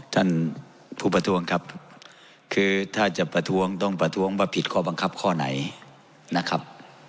ท่านผู้ประท้วงครับคือถ้าจะประท้วงต้องประท้วงว่าผิดข้อบังคับข้อไหนนะครับ